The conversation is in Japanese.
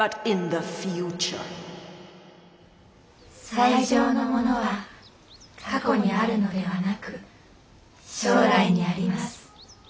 「最上のものは過去にあるのではなく将来にあります。